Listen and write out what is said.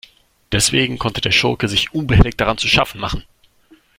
Deswegen konnte der Schurke sich unbehelligt daran zu schaffen machen.